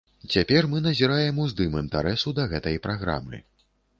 Цяпер мы назіраем уздым інтарэсу да гэтай праграмы.